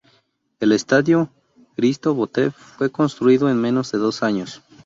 El estadio Hristo Botev fue construido en menos de dos años.